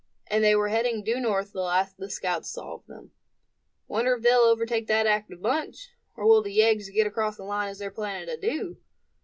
And they were heading due north the last the scouts saw of them. "Wonder if they'll overtake that active bunch; or will the yeggs get across the line as they're planning to do?"